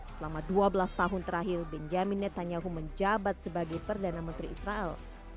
selama dua belas tahun terakhir benjamin netanyahu menjabat sebagai perdana menteri israel